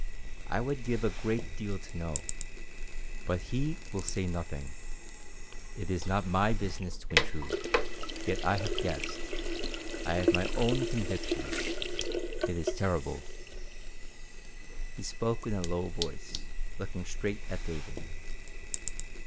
I would give a great deal to know. But he will say nothing. And it is not my business to intrude. Yet I have guessed. I have my own conviction. It is terrible." He spoke in a low voice, looking straight at David.